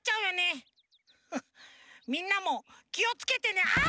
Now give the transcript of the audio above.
みんなもきをつけてねああっ！